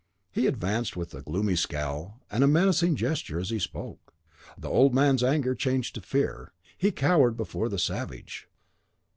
He advanced with a gloomy scowl and a menacing gesture as he spoke. The old man's anger changed to fear. He cowered before the savage.